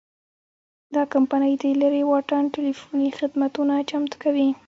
دا کمپنۍ د لرې واټن ټیلیفوني خدمتونه چمتو کوي.